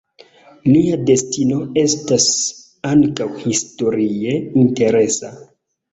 Lia destino estas ankaŭ historie interesa.